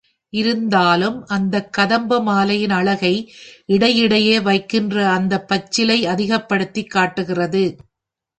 இருந்தாலும் அந்தக் கதம்ப மாலையின் அழகை, இடையிடையே வைக்கின்ற அந்தப் பச்சிலை அதிகப்படுத்திக் காட்டுகிறது.